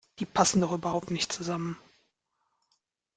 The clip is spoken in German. Die passen doch überhaupt nicht zusammen!